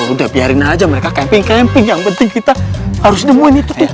udah biarin aja mereka camping camping yang penting kita harus nemuin itu